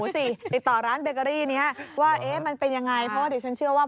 ติดต่อร้านเบคกะรีนี้ครับ